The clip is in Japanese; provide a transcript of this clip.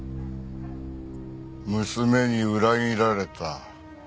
娘に裏切られた。